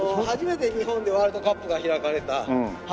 初めて日本でワールドカップが開かれた。